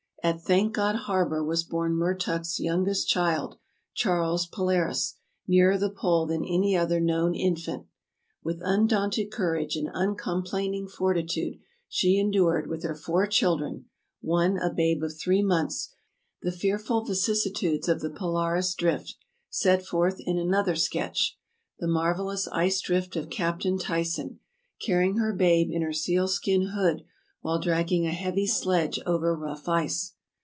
At Thank God Harbor was born Mertuk's youngest child, Charles Polaris, nearer the pole than any other known infant. With undaunted courage and uncomplaining fortitude she endured, with her four children (one a babe of three months), the fearful vicissitudes of the Polaris drift, set forth in another sketch, "The Marvellous Ice Drift of Captain Tyson," carrying her babe in her seal skin hood while dragging a heavy sledge over rough ice.